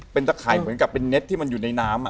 เป็นตะข่ายเหมือนกับเป็นเน็ตที่มันอยู่ในน้ำ